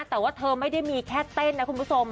แต่ว่าเธอไม่ได้มีแค่เต้นนะคุณผู้ชม